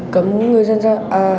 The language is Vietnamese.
cấm người dân ra